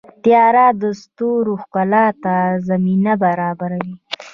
• تیاره د ستورو ښکلا ته زمینه برابروي.